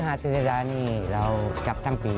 เธศครูสิรานี่เรากรับสามปี